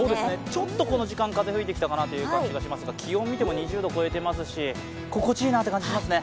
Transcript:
ちょっとこの時間、風が吹いてきたかなという感じがしますが気温見ても２０度超えていますし、心地いいなという感じですね。